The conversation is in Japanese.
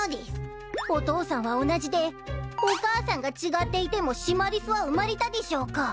お父さんは同じでお母さんが違っていてもシマリスは生まれたでぃしょうか。